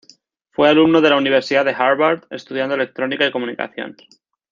Fue alumno de la Universidad de Harvard estudiando electrónica y comunicación.